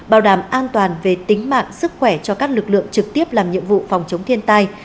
bảo đảm an toàn về tính mạng sức khỏe cho các lực lượng trực tiếp làm nhiệm vụ phòng chống thiên tai